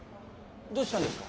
どうしたんですか？